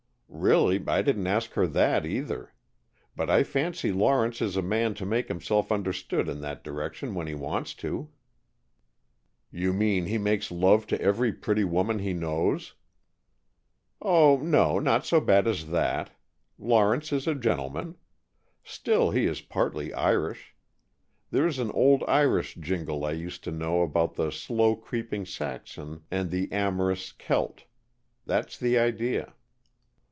"Really, I didn't ask her that either. But I fancy Lawrence is a man to make himself understood in that direction when he wants to." "You mean he makes love to every pretty woman he knows?" "Oh, no, not so bad as that. Lawrence is a gentleman. Still, he is partly Irish. There's an old Irish jingle I used to know about the slow creeping Saxon and the amorous Celt, that's the idea.